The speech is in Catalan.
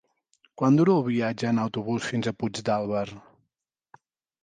Quant dura el viatge en autobús fins a Puigdàlber?